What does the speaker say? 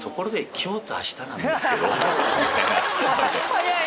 早い！